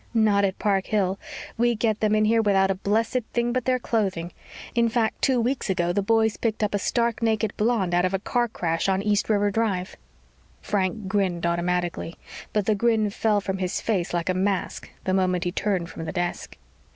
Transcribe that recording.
"Not at Park Hill. We get them in here without a blessed thing but their clothing. In fact, two weeks ago the boys picked up a stark naked blonde out of a car crash on East River Drive." Frank grinned automatically, but the grin fell from his face like a mask the moment he turned from the desk.